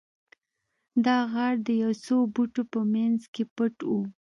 دا غار د یو څو بوټو په مینځ کې پټ و